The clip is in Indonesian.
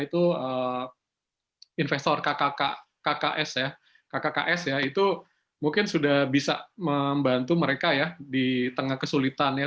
itu investor kks ya kkks ya itu mungkin sudah bisa membantu mereka ya di tengah kesulitan ya